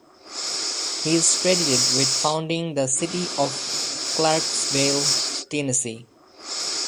He is credited with founding the city of Clarksville, Tennessee.